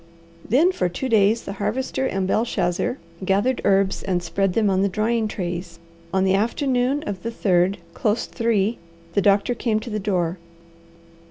Then for two days the Harvester and Belshazzar gathered herbs and spread them on the drying trays. On the afternoon of the third, close three, the doctor came to the door.